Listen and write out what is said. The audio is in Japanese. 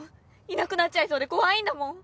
いなくなっちゃいそうで怖いんだもん。